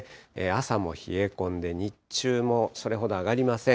朝も冷え込んで、日中もそれほど上がりません。